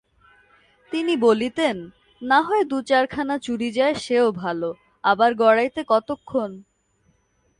তিনি বলিতেন, নাহয় দু-চারখানা চুরি যায় সেও ভালো, আবার গড়াইতে কতক্ষণ।